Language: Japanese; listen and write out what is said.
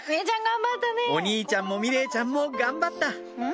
お兄ちゃんも美玲ちゃんも頑張った！